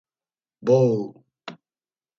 Bou!